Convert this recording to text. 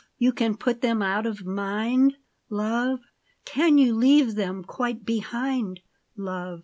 You can put them out of mind, love ? Can you leave them quite behind, love